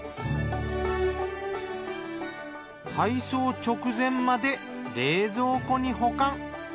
配送直前まで冷蔵庫に保管。